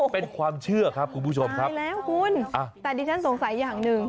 เป็นความเชื่อครับคุณผู้ชมครับมีแล้วคุณแต่ดิฉันสงสัยอย่างหนึ่ง